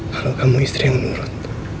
kalau kamu istri yang nurut